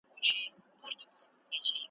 زما پر خوار پوستين جگړه وه د زوى مړو .